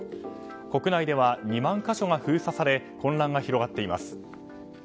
国内では２万か所が封鎖され混乱が広がっています。